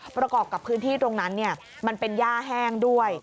ประกอบกับพื้นที่ตรงนั้นมันเป็นย่าแห้งด้วย